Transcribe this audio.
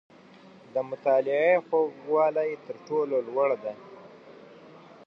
• د مطالعې خوږوالی، تر ټولو لوړ دی.